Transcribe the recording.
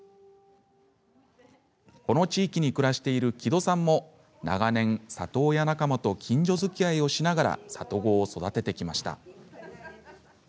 この地域に暮らしている木戸さんも長年、里親仲間と近所づきあいをしながら里子を育ててきました。